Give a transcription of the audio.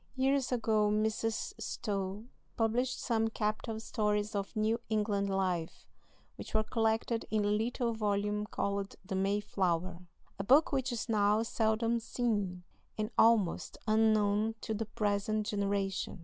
Years ago Mrs. Stowe published some capital stories of New England life, which were collected in a little volume called "The Mayflower," a book which is now seldom seen, and almost unknown to the present generation.